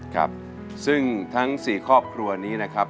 ครับซึ่งทั้ง๔ครอบครัวนี้นะครับ